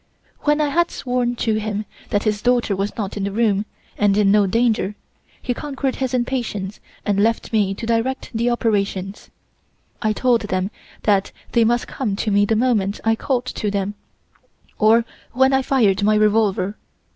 "When I had sworn to him that his daughter was not in the room, and in no danger, he conquered his impatience and left me to direct the operations. I told them that they must come to me the moment I called to them, or when I fired my revolver.